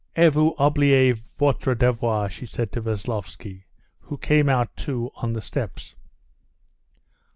"Et vous oubliez votre devoir," she said to Veslovsky, who came out too on the steps.